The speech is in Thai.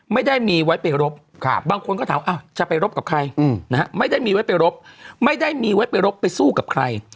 ไม่ได้มีไว้ไปรบไปสู้กับใคร